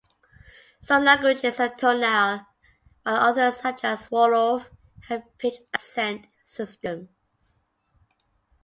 Some languages are tonal, while others such as Wolof have pitch-accent systems.